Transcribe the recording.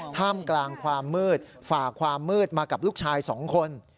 ท่ามกลางความมืดฝ่าความมืดมากับลูกชายสองคน